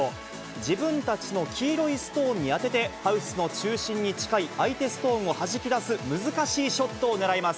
自分たちの黄色いストーンに当ててハウスの中心に近い相手ストーンをはじき出す、難しいショットを狙います。